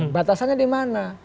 batasannya di mana